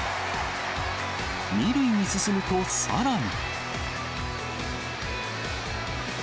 ２塁に進むと、さらに。